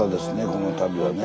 この旅はね。